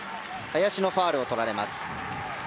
林、ファウルをとられます。